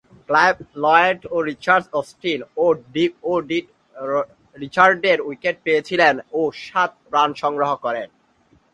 Clive Lloyd, Richard Austin ও Viv রিচার্ডসের wicket পেয়েছিলেন ও সাত রান সংগ্রহ করেন।